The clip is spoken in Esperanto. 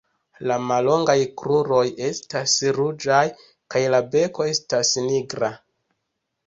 La mallongaj kruroj estas ruĝaj kaj la beko estas nigra.